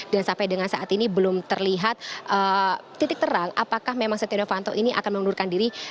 dan sampai dengan saat ini belum terlihat titik terang apakah memang setia novanto ini akan mengundurkan diri